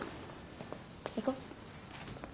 行こ？